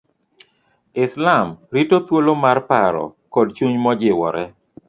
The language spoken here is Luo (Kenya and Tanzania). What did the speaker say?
islam rito thwolo mar paro kod chuny majiwore